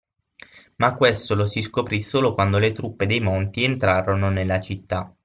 Ma questo lo si scoprì solo quando le truppe dei Monti entrarono nella città.